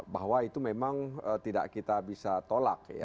bahwa itu memang tidak kita bisa tolak